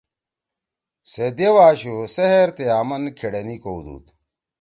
سے دیؤ آشُو سحر تے آمن کھیڑینی کؤدُود۔